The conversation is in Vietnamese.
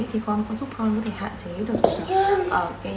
thì con có giúp con hạn chế được